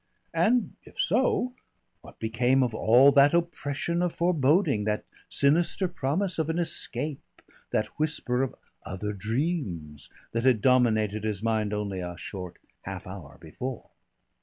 And if so, what became of all that oppression of foreboding, that sinister promise of an escape, that whisper of "other dreams," that had dominated his mind only a short half hour before?